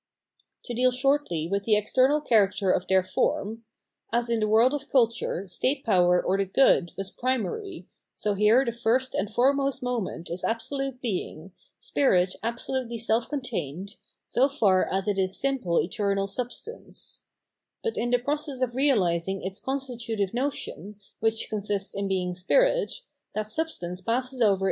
To deal shortly with the external character of their form : as in the world of culture state power or the good was primary, so here the first and foremost moment is Absolute Being, spirit absolutely self con tained, so far as it is simple eternal substance, f But in the process of reahsing its constitutive notion, which consists in being spirit, that substance passes over into * The persons^' of the Trinity.